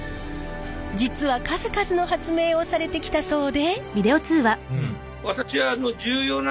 実は数々の発明をされてきたそうで。